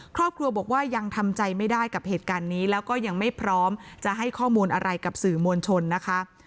ครอบครัวบอกว่ายังทำใจไม่ได้กับเหตุการณ์นี้แล้วก็ยังไม่พร้อมจะให้ข้อมูลอะไรกับสื่อมวลชนนะคะ